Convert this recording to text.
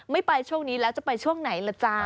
ไปช่วงนี้แล้วจะไปช่วงไหนล่ะจ๊ะ